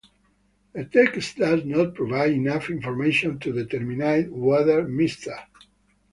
The text does not provide enough information to determine whether Mr.